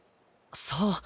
そう。